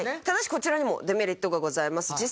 ただしこちらにもデメリットがございます。